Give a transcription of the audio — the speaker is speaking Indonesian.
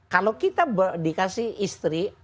kalau kita dikasih istri